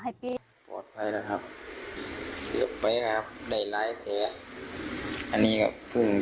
หรือลูกก็บอกว่าเอ่อให้เป็น